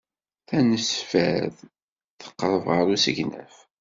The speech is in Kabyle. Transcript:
Tanesfart teqreb ɣer usegnaf.